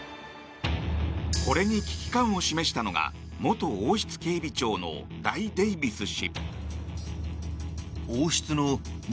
これに危機感を示したのが元王室警備長のダイ・デイビス氏。